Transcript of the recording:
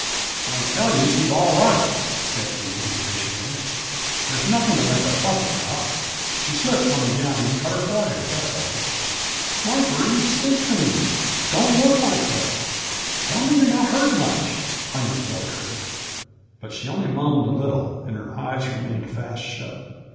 "I tell you she's all right," said he, impatiently; "there's nothing to make a fuss about. She slipped coming down and cut her forehead — ^that's all." " Marjory, speak to me — don't look like that ; tell me you're not hurt much !" I implored her ; but ahe only moaned a little, and her eyes remained fast shut.